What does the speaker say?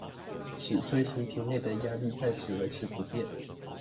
使錐形瓶內的壓力暫時維持不變